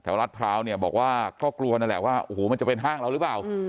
รัฐพร้าวเนี่ยบอกว่าก็กลัวนั่นแหละว่าโอ้โหมันจะเป็นห้างเราหรือเปล่า